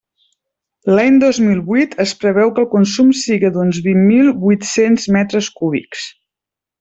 L'any dos mil huit es preveu que el consum siga d'uns vint mil huit-cents metres cúbics.